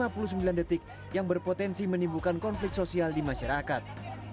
dan dengan dua puluh sembilan detik yang berpotensi menimbulkan konflik sosial di masyarakat